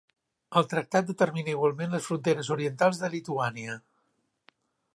El tractat determina igualment les fronteres orientals de Lituània.